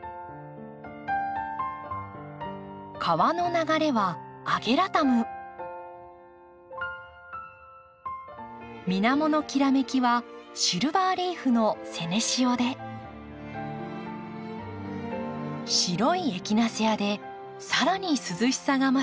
川の流れは水面のきらめきはシルバーリーフの白いエキナセアで更に涼しさが増しました。